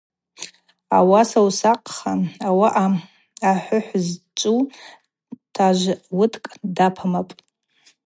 Ауаса усакъха, ауаъа ахӏвыхӏв зчӏву тажв-уыдкӏ дапамапӏ.